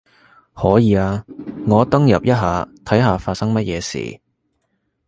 可以啊，我登入一下睇下發生乜嘢事